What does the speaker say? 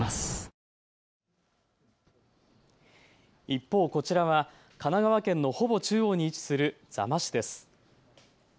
一方、こちらは神奈川県のほぼ中央に位置する座間市です。